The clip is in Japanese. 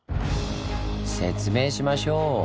説明しましょう！